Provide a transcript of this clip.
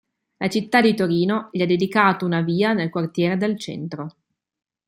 La città di Torino gli ha dedicato una via nel quartiere del Centro.